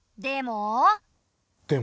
でも。